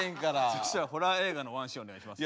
そしたらホラー映画のワンシーンお願いします。